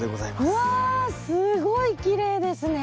すごいきれいですね。